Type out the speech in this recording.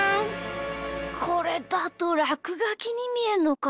これだとらくがきにみえるのか。